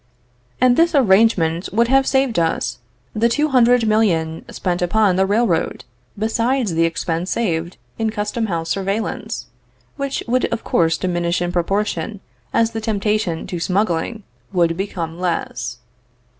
And this arrangement would have saved us the 200,000,000 spent upon the railroad, besides the expense saved in custom house surveillance, which would of course diminish in proportion as the temptation to smuggling would become less.